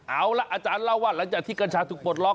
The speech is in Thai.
เอาล่ะอาจารย์เล่าว่าหลังจากที่กัญชาถูกปลดล็อ